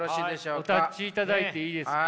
お立ちいただいていいですか。